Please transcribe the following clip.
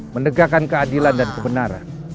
menegakkan keadilan dan kebenaran